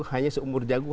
hanya seumur jagung